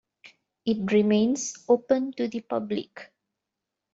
It remains open to the public.